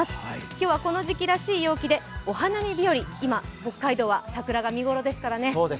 今日はこの時期らしい陽気でお花見日和、今、北海道は桜が見頃ですからね。